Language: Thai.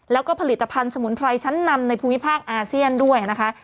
แล้วก็ผลิตภัณฑ์สมุนไพรชั้นนำในภูมิภาคอาเซียนด้วยนะคะ